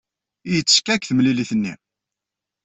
Yettekka deg temlilit-nni.